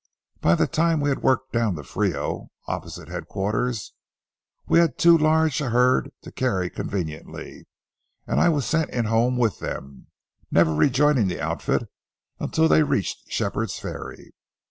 By the time we had worked down the Frio, opposite headquarters, we had too large a herd to carry conveniently, and I was sent in home with them, never rejoining the outfit until they reached Shepherd's Ferry.